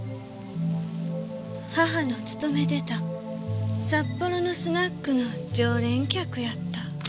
母の勤めてた札幌のスナックの常連客やった。